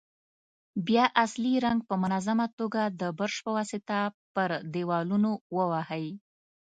بیا اصلي رنګ په منظمه توګه د برش په واسطه پر دېوالونو ووهئ.